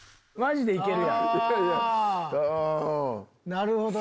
なるほどね。